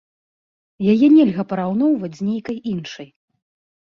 Яе нельга параўноўваць з нейкай іншай.